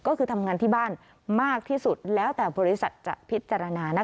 ก็คือทำงานที่บ้านมากที่สุดแล้วแต่บริษัทจะพิจารณานะคะ